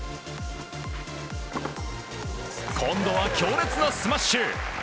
今度は強烈なスマッシュ！